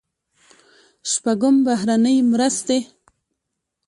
شپږم: بهرنۍ مرستې.